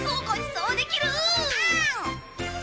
うん！